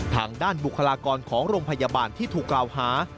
ทางด้านบุคลากรของโรงพยาบาลที่ถูกกล่าวหา